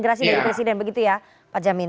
gerasi dari presiden begitu ya pak jamin